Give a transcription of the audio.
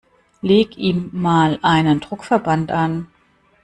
Leg ihm mal einen Druckverband an!